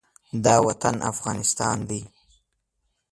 دا وطن افغانستان دی.